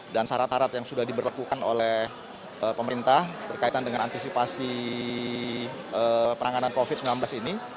dan syarat syarat yang sudah diberlakukan oleh pemerintah berkaitan dengan antisipasi penanganan covid sembilan belas ini